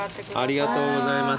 ありがとうございます。